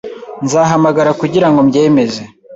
Nzahamagara kugirango mbyemeze.